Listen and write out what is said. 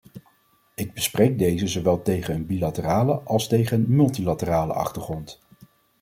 Ik bespreek deze zowel tegen een bilaterale als tegen een multilaterale achtergrond.